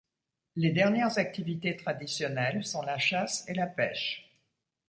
Les dernières activités traditionnelles sont la chasse et la pêche.